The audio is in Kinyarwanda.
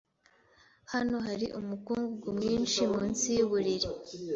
Hano hari umukungugu mwinshi munsi yuburiri.